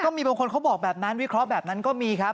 มีบางคนเขาบอกแบบนั้นวิเคราะห์แบบนั้นก็มีครับ